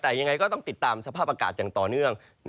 แต่ยังไงก็ต้องติดตามสภาพอากาศอย่างต่อเนื่อง